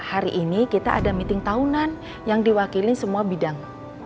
hari ini kita ada meeting tahunan yang diwakili semua bidang